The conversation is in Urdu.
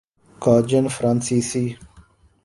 کاجن فرانسیسی